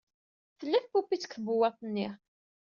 Tella tpupit deg tbewwaṭ-nni.